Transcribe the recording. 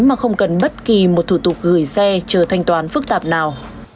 mà không cần bất kỳ một thủ tục gửi xe chờ thanh toán phức tạp nào